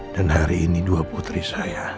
dan hari ini dua putri saya